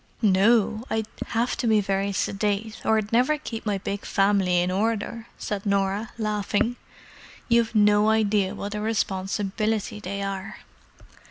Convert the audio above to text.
"No, I have to be very sedate, or I'd never keep my big family in order," said Norah, laughing. "You've no idea what a responsibility they are."